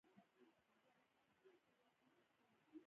بس نهه بجو روانیږي